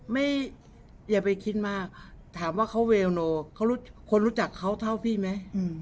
อย่าไปคิดมากถามว่าเขาเวลโนเขาคนรู้จักเขาเท่าพี่ไหม